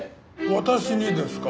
私にですか？